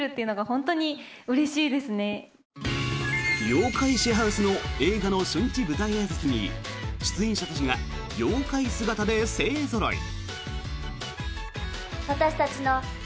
「妖怪シェアハウス」の映画の初日舞台あいさつに出演者たちが妖怪姿で勢ぞろい。